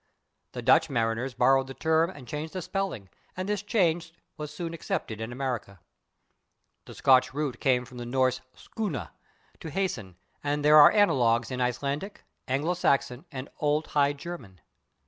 The Dutch mariners borrowed the term and changed the spelling, and this change was soon accepted in America. The Scotch root came from the Norse /skunna/, to hasten, and there are analogues in Icelandic, Anglo Saxon and Old High German.